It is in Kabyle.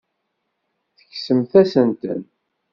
Tekksemt-asent-ten.